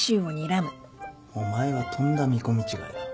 お前はとんだ見込み違いだ。